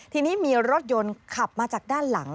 ทีนี้มีรถยนต์ขับมาจากด้านหลัง